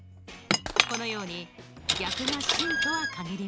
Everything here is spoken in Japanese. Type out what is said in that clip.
このように逆が真とは限りません。